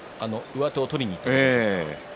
上手を取りにいったところですか。